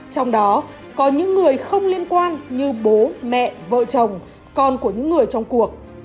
trong đó có những người không liên quan như bố mẹ vợ chồng con của những người trong cuộc